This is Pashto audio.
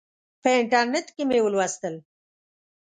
په انټرنیټ کې مې ولوستل.